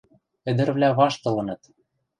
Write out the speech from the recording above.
Ӹдӹрвлӓ ваштылыныт: